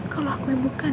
kalau aku yang bukan